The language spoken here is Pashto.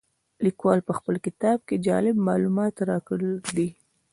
لیکوال په خپل کتاب کې جالب معلومات راکړي دي.